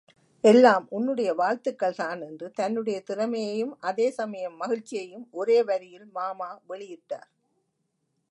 எல்லாம் உன்னுடைய வாழ்த்துக்கள் தான் என்று தன்னுடைய திறமையையும் அதே சமயம் மகிழ்ச்சியையும் ஒரே வரியில் மாமா வெளியிட்டார்.